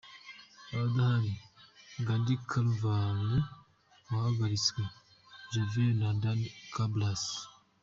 Abadahari:Dani Carvajal wahagaritswe, Vallejo na Dani Ceballos.